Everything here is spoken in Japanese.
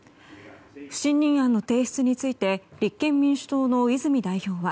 不信任案の提出について立憲民主党の泉代表は